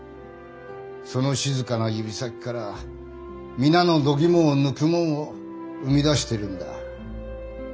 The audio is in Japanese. その静かな指先から皆のどぎもを抜くもんを生み出してるんだ。